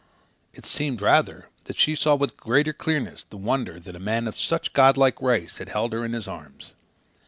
It seemed, rather, that she saw with greater clearness the wonder that a man of such godlike race had held her in his arms.